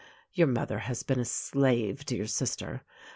Your mother has been a slave to your sister.